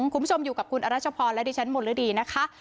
คุณผู้ชมอยู่กับคุณอรัชพรและดิฉันหมดฤดีนะคะ